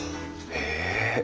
へえ。